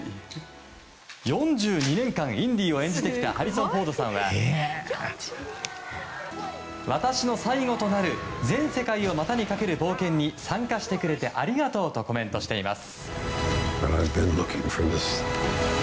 ４２年間、インディを演じてきたハリソン・フォードさんは私の最後となる全世界を股にかける冒険に参加してくれてありがとうとコメントしています。